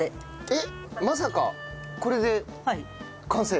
えっまさかこれで完成？